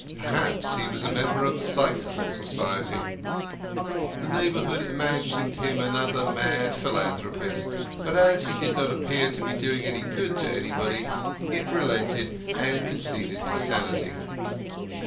Perhaps he was a member of the Psychical Society. The neighbourhood imagined him another mad philanthropist, but as he did not appear to be doing any good to anybody it relented and conceded his sanity.